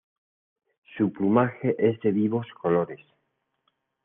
Su plumaje es de vivos colores.